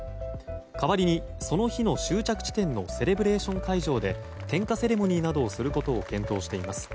代わりに、その日の終着地点のセレブレーション会場で点火セレモニーなどをすることを検討しています。